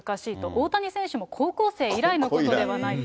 大谷選手も高校生以来のことではないか。